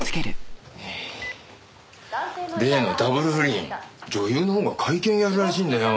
例のダブル不倫女優のほうが会見やるらしいんだよ。